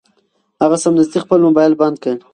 هغه سمدستي خپل مبایل بند کړ.